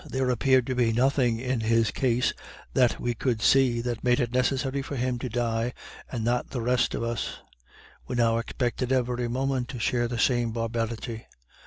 There appeared to be nothing in his case, that we could see, that made it necessary for him to die and not the rest of us. We now expected every moment to share the same barbarity.